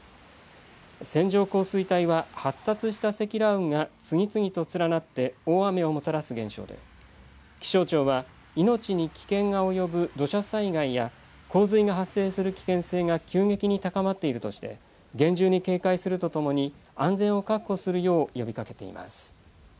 線状降水帯は発達した積乱雲が次々と連なって大雨をもたらす現象で気象庁は命に危険が及ぶ土砂災害や洪水が発生する危険性が急激に高まっているとして厳重に警戒するとともに安全を確保するよう呼びかけています。